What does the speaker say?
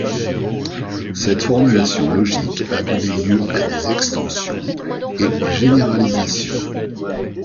Cette formulation logique a donné lieu à des extensions et généralisations.